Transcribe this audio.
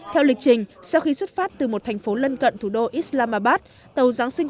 theo lịch trình sau khi xuất phát từ một thành phố lân cận thủ đô islamabad tàu giáng sinh